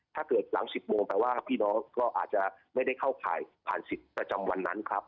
หลัง๑๐โมงแปลว่าพี่น้องก็อาจจะไม่ได้เข้าข่ายผ่านสิทธิ์ประจำวันนั้นครับ